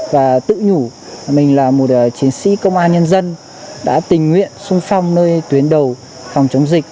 và tự nhủ mình là một chiến sĩ công an nhân dân đã tình nguyện sung phong nơi tuyến đầu phòng chống dịch